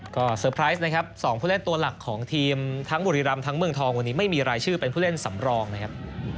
ก็เตอร์ไพรส์นะครับ๒ผู้เล่นตัวหลักของทีมทั้งบุรีรำทั้งเมืองทองวันนี้ไม่มีรายชื่อเป็นผู้เล่นสำรองนะครับ